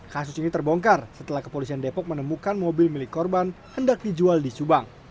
kasus ini terbongkar setelah kepolisian depok menemukan mobil milik korban hendak dijual di subang